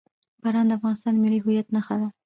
باران د افغانستان د ملي هویت نښه ده.